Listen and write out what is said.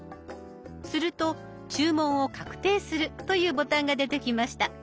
すると「注文を確定する」というボタンが出てきました。